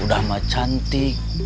udah sama cantik